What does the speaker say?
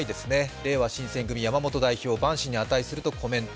れいわ新選組、山本代表、万死に値するとコメント。